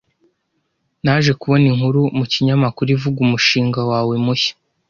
Naje kubona inkuru mu kinyamakuru ivuga umushinga wawe mushya.